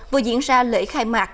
vừa diễn ra lễ khai mạc